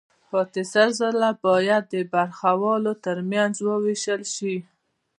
پاتې سل زره باید د برخوالو ترمنځ ووېشل شي